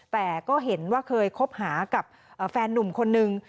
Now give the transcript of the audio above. แต่ก็เห็นว่าเคยคบหากับแฟนนุ่มคนนึง